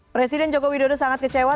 presiden joko widodo sangat kecewa